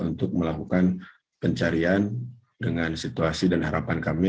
untuk melakukan pencarian dengan situasi dan harapan kami